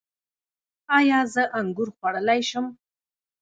ایا زه انګور خوړلی شم؟